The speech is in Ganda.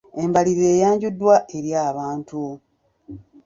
Embalirira eyanjuddwa eri abantu.